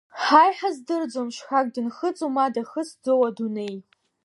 Ҳа иҳаздыруам шьхак дынхыҵу, ма дахысӡоу адунеи.